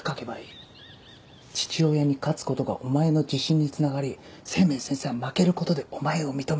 父親に勝つことがお前の自信につながり清明先生は負けることでお前を認める。